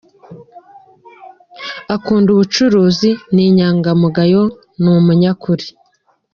Akunda ubucuruzi, ni inyangamugayo, ni umunyakuri.